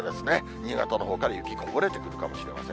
新潟のほうから雪、こぼれてくるかもしれません。